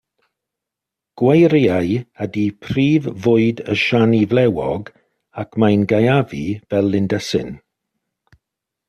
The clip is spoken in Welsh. Gweiriau ydy prif fwyd y siani flewog ac mae'n gaeafu fel lindysyn.